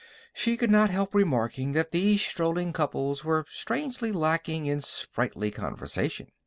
She could not help remarking that these strolling couples were strangely lacking in sprightly conversation.